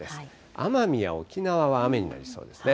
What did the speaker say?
奄美や沖縄は雨になりそうですね。